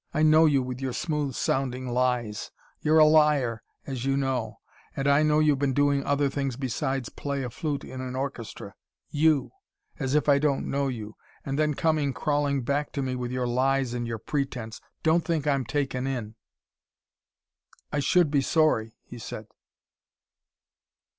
I know you, with your smooth sounding lies. You're a liar, as you know. And I know you've been doing other things besides play a flute in an orchestra. You! as if I don't know you. And then coming crawling back to me with your lies and your pretense. Don't think I'm taken in." "I should be sorry," he said.